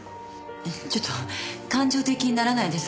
ちょっと感情的にならないでさ。